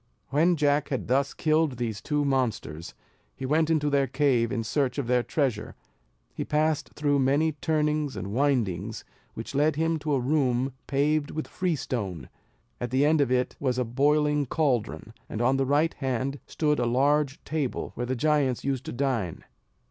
When Jack had thus killed these two monsters, he went into their cave in search of their treasure: he passed through many turnings and windings, which led him to a room paved with freestone; at the end of it was a boiling caldron, and on the right hand stood a large table where the giants used to dine.